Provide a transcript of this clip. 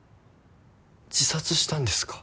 自殺したんですか？